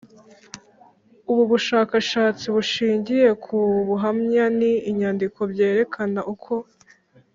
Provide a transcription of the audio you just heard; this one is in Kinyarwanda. Ubu bushakashatsi bushingiye ku buhamya n inyandiko byerekana uko